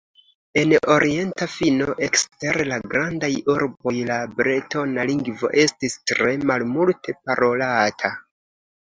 En orienta fino, ekster la grandaj urboj, la bretona lingvo estis tre malmulte parolata.